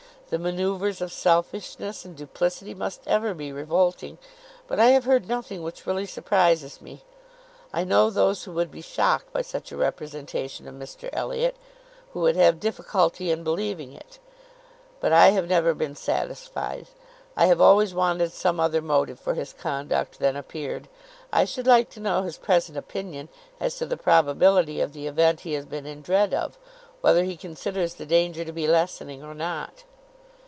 The manœuvres of selfishness and duplicity must ever be revolting, but I have heard nothing which really surprises me. I know those who would be shocked by such a representation of Mr Elliot, who would have difficulty in believing it; but I have never been satisfied. I have always wanted some other motive for his conduct than appeared. I should like to know his present opinion, as to the probability of the event he has been in dread of; whether he considers the danger to be lessening or not."